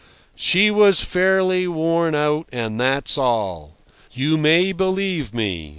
She was fairly worn out, and that's all. You may believe me.